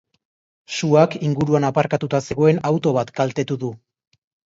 Suak inguruan aparkatuta zegoen auto bat kaltetu du.